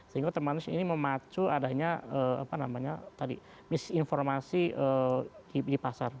sehingga teman teman ini memacu adanya misinformasi di pasar